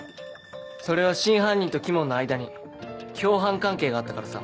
それは真犯人と鬼門の間に共犯関係があったからさ。